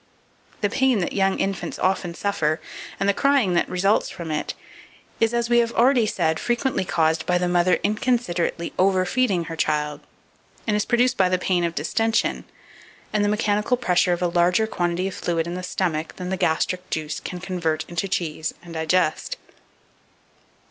The pain that young infants often suffer, and the crying that results from it, is, as we have already said, frequently caused by the mother inconsiderately overfeeding her child, and is produced by the pain of distension, and the mechanical pressure of a larger quantity of fluid in the stomach than the gastric juice can convert into cheese and digest.